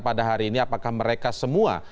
pada hari ini apakah mereka semua